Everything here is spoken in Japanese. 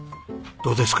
どうですか？